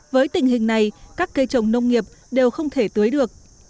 với tình hình này các cây trồng nông nghiệp đều không thể tưới được